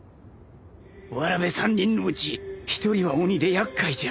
わらべ３人のうち一人は鬼で厄介じゃ